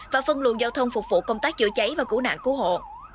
và phân luận giao thông phục vụ công tác chữa cháy và cứu nạn cứu hộ